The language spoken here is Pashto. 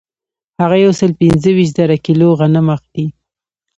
هغه یو سل پنځه ویشت زره کیلو غنم اخلي